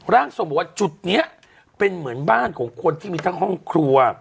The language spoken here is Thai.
ร่างทรงบอกว่าจุดนี้เป็นเหมือนบ้านของคนที่มีทั้งห้องครัว